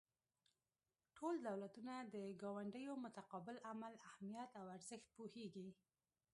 ټول دولتونه د ګاونډیو متقابل عمل اهمیت او ارزښت پوهیږي